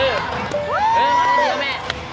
เออน้ำน้ำสีดีกว่าแม่